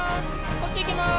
こっちいきます